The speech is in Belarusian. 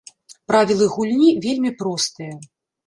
Правілы гульні вельмі простыя.